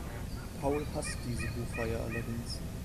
Paul hasst diese Buchreihe allerdings.